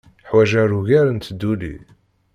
Ḥwajeɣ ugar n tduli.